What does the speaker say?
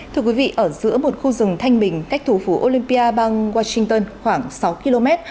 thưa quý vị ở giữa một khu rừng thanh bình cách thủ phủ olympia bang washington khoảng sáu km